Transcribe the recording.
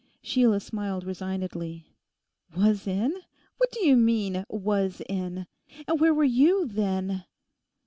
Sheila smiled resignedly. 'Was in? What do you mean, "was in"? And where were you, then?